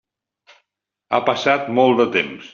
Ha passat molt de temps.